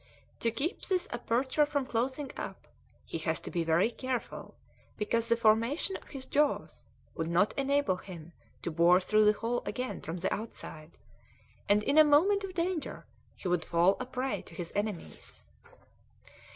To keep this aperture from closing up he has to be very careful because the formation of his jaws would not enable him to bore through the hole again from the outside, and in a moment of danger he would fall a prey to his enemies.